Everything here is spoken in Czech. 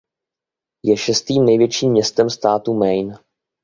Je šestým největším městem státu Maine.